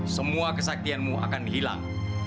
semua kesaktianmu akan hilang